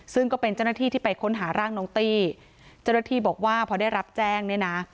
ซึ่งก็เป็นเจ้าหน้าที่ที่ไปค้นหาร่างน้องตี้เจ้าหน้าที่บอกว่าพอได้รับแจ้งเนี่ยนะ